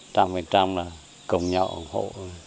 trăm phần trăm là cộng nhau ủng hộ